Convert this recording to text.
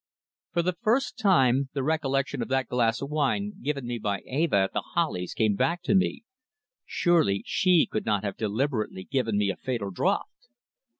For the first time the recollection of that glass of wine given me by Eva at The Hollies came back to me. Surely she could not have deliberately given me a fatal draught?